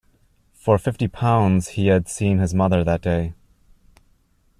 For fifty pounds he had seen his mother that day.